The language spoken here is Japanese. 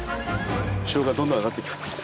潮がどんどん上がってきますね。